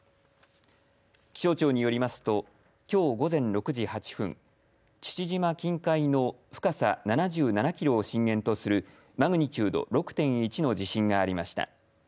気象庁によりますときょう午前６時８分父島近海の深さ７７キロを震源とするマグニチュード６．１の地震がありました。